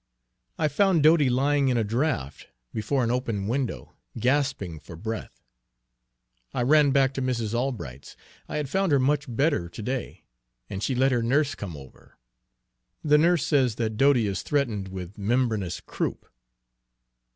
I found Dodie lying in a draught, before an open window, gasping for breath. I ran back to Mrs. Albright's, I had found her much better to day, and she let her nurse come over. The nurse says that Dodie is threatened with membranous croup."